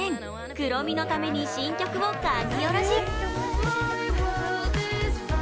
クロミのために新曲を書き下ろし！